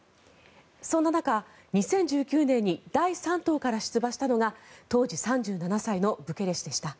そんな中、２０１９年に第３党から出馬したのが当時３７歳のブケレ氏でした。